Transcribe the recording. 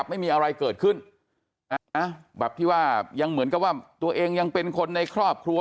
แบบที่ว่ายังเหมือนกับว่าตัวเองยังเป็นคนในครอบครัว